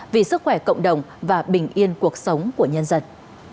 vì sức khỏe cộng đồng và bình yên cuộc sống của nhân dân